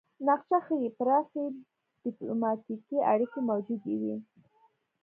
نقشه ښيي پراخې ډیپلوماتیکې اړیکې موجودې وې